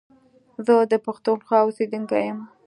زه د پښتونخوا اوسېدونکی يم